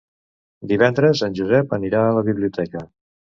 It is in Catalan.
Divendres en Josep anirà a la biblioteca.